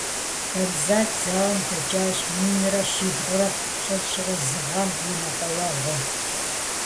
Фаризэт зауэм дэкӏащ минрэ щыбгъурэ плӏыщӏрэ зы гъэм и мэкъуауэгъуэм.